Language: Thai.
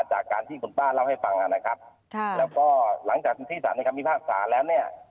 จากการที่คุณป้าเล่าให้ฟังนะครับค่ะแล้วก็หลังจากที่สารในคำพิพากษาแล้วเนี่ย